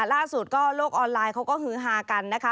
ล่าสุดก็โลกออนไลน์เขาก็ฮือฮากันนะคะ